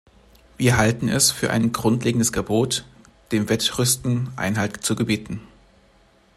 Wir halten es für ein grundlegendes Gebot, dem Wettrüsten Einhalt zu gebieten.